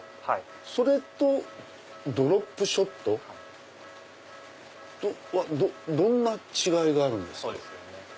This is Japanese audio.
それとドロップショットはどんな違いがあるんですか？